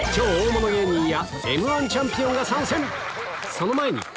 その前に！